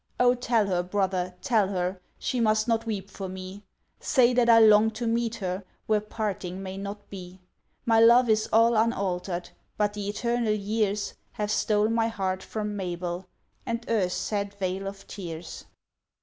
Oh! tell her, brother, tell her, She must not weep for me; Say that I long to meet her Where parting may not be. My love is all unaltered, But the eternal years Have stole my heart from Mabel, And earth's sad vale of tears!